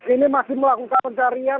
ini masih melakukan pencarian